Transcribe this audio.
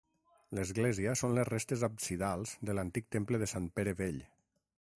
L'església són les restes absidals de l'antic temple de Sant Pere Vell.